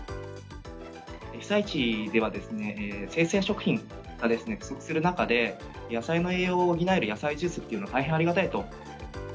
被災地では、生鮮食品が不足する中で、野菜の栄養を補える野菜ジュースというのは大変ありがたいと。